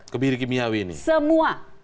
kebiri kimiawi ini semua